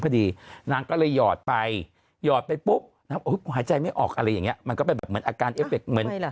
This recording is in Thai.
เรื่องนั้นก็เข้าโรงพยาบาลอยู่คืนนึง